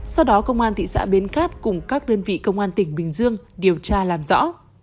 sau đó công an thị xã bến cát cùng các đơn vị công an tỉnh bình dương điều tra làm rõ